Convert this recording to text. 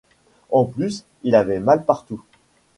En plus, il avait mal partout.